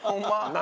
何？